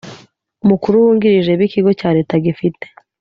mukuru wungirije b ikigo cya leta gifite